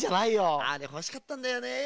あれほしかったんだよね。